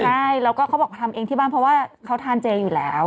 ใช่แล้วก็เขาบอกทำเองที่บ้านเพราะว่าเขาทานเจอยู่แล้ว